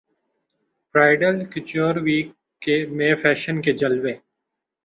bridal couture week میں fashion کے جلوے